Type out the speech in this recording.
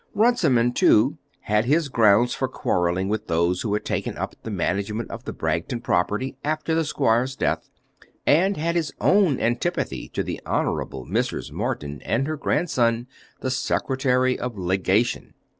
Runciman, too, had his grounds for quarrelling with those who had taken up the management of the Bragton property after the squire's death, and had his own antipathy to the Honourable Mrs. Morton and her grandson, the Secretary of Legation.